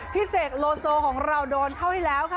เสกโลโซของเราโดนเข้าให้แล้วค่ะ